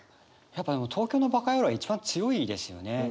やっぱでも「東京のバカヤロー」は一番強いですよね。